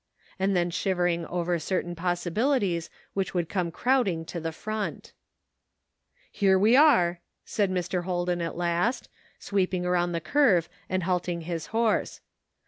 and then shivering over certain possibilities which would come crowding to the front. "Here we are," said Mr. Holden at last, sweeping around the curve and halting his horse.